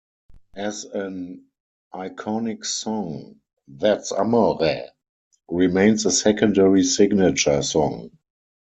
As an iconic song, "That's Amore" remains a secondary signature song.